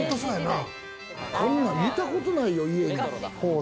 こんなの見たことないよ、家に。